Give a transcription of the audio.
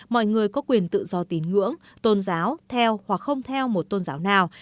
mọi người có quyền tự do tín ngưỡng tôn giáo theo hoặc không theo một tôn giáo nào